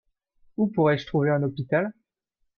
Où pourrais-je trouver un hôpital ?